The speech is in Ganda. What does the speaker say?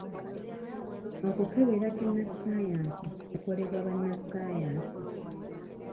Okukebera kinnassaayansi kukolebwa bannassaayansi.